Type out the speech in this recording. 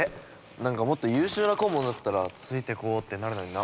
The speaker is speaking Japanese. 何かもっと優秀な顧問だったらついていこうってなるのにな。